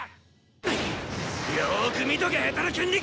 よく見とけヘタレ筋肉！